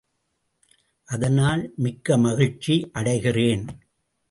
அதனால் மிக்க மகிழ்ச்சி அடைகிறேன்.